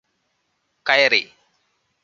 കയറി